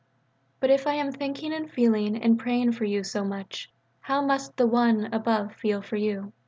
But if I am thinking and feeling and praying for you so much, how must the One Above feel for you?